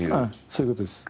そういう事です。